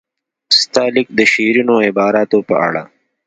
ستا لیک د شیرینو عباراتو په اړه.